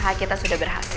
iya usaha kita sudah berhasil